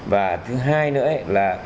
và thứ hai nữa là